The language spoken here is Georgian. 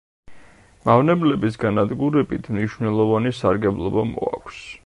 მავნებლების განადგურებით მნიშვნელოვანი სარგებლობა მოაქვს.